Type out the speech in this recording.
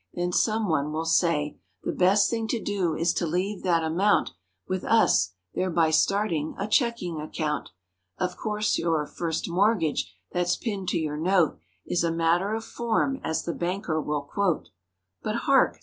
Then some one will say: "The best thing to do is to leave that amount With us, thereby starting a checking account." Of course your "First Mortgage" that's pinned to your note. Is "a matter of form" as the banker will quote. But hark!